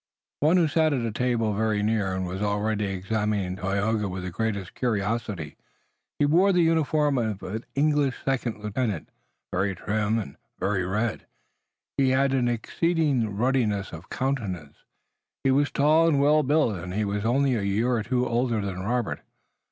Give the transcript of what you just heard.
One who sat at a table very near was already examining Tayoga with the greatest curiosity. He wore the uniform of an English second lieutenant, very trim, and very red, he had an exceeding ruddiness of countenance, he was tall and well built, and he was only a year or two older than Robert.